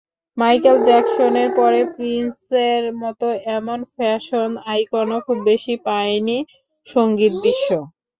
Michael জ্যাকসনের পরে প্রিন্সের মতো এমন ফ্যাশন আইকনও খুব বেশি পায়নি সংগীতবিশ্ব।